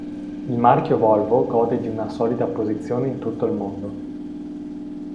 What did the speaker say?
Il marchio Volvo gode di una solida posizione in tutto il mondo.